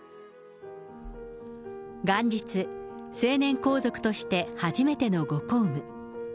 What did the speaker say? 元日、成年皇族として初めてのご公務。